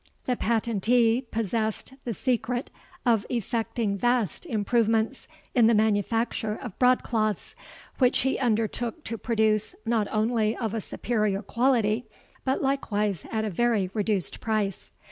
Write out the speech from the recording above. The patentee possessed the secret of effecting vast improvements in the manufacture of broad cloths, which he undertook to produce not only of a superior quality, but likewise at a very reduced price.